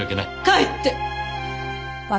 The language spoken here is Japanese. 帰って！